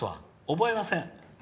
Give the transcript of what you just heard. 覚えません。